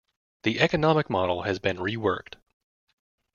The economic model has been reworked.